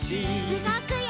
うごくよ！